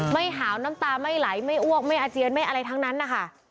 มหาวน้ำตาไม่ไหลไม่อ้วกไม่อาเจียนไม่อะไรทั้งนั้นนะคะ